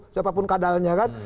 siapapun kadalnya kan